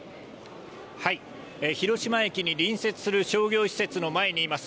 広島駅に隣接する商業施設の前にいます。